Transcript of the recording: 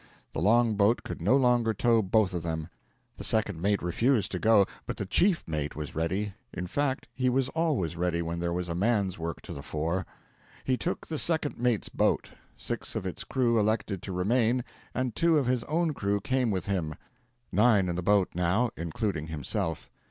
The long boat could no longer tow both of them. The second mate refused to go, but the chief mate was ready; in fact, he was always ready when there was a man's work to the fore. He took the second mate's boat; six of its crew elected to remain, and two of his own crew came with him (nine in the boat, now, including himself).